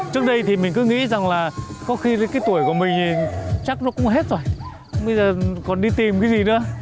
trước đây thì mình cứ nghĩ rằng là có khi cái tuổi của mình thì chắc nó cũng hết rồi bây giờ còn đi tìm cái gì nữa